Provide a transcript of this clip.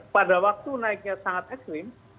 pada waktu naiknya sangat ekstrim